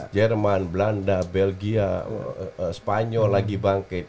jerman belanda belgia spanyol lagi bangkit